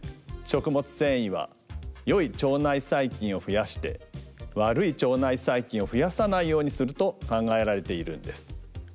食物繊維はよい腸内細菌をふやしてわるい腸内細菌をふやさないようにするとかんがえられているんです。